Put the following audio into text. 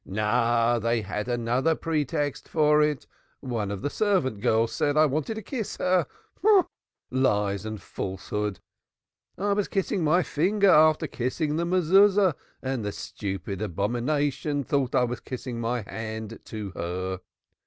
"No; they had another pretext one of the servant girls said I wanted to kiss her lies and falsehood. I was kissing my finger after kissing the Mezuzah, and the stupid abomination thought I was kissing my hand to her.